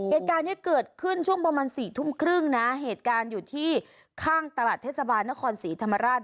เหตุการณ์นี้เกิดขึ้นช่วงประมาณ๔ทุ่มครึ่งนะเหตุการณ์อยู่ที่ข้างตลาดเทศบาลนครศรีธรรมราช